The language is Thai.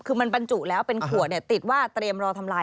คือมันบรรจุแล้วเป็นขวดเนี่ยติดว่าเตรียมรอทำลาย